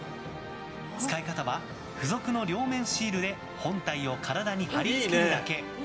使い方は付属の両面シールで本体を体に貼り付けるだけ。